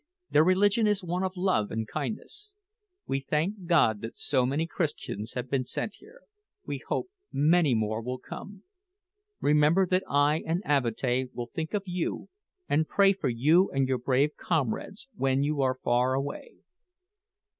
Their religion is one of love and kindness. We thank God that so many Christians have been sent here: we hope many more will come. Remember that I and Avatea will think of you, and pray for you and your brave comrades, when you are far away."